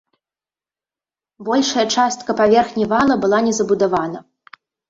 Большая частка паверхні вала была не забудавана.